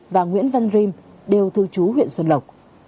và nguyễn văn rim đều thư chú huyện xuân lộc